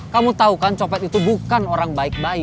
kamu tahu kan copet itu bukan orang baik baik